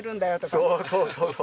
そうそうそうそう。